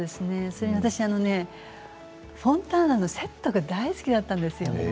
それにね私フォンターナのセットが大好きだったんですよ。